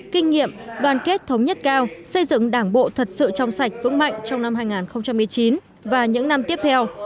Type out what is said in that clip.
kinh nghiệm đoàn kết thống nhất cao xây dựng đảng bộ thật sự trong sạch vững mạnh trong năm hai nghìn một mươi chín và những năm tiếp theo